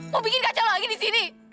mau bikin kacau lagi di sini